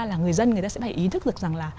là người dân người ta sẽ phải ý thức được rằng là